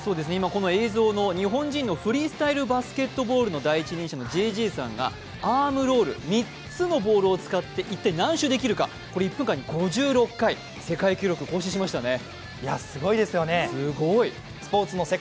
この映像の日本人のフリースタイルバスケットボールの第一人者、ＪＪさんがアームロール、３つのボールを使って一体何周できるか、１分間に５６回、世界記録を更新しましたね。